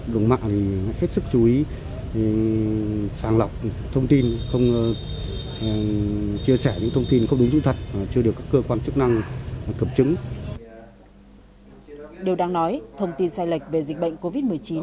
điều đáng nói thông tin sai lệch về dịch bệnh covid một mươi chín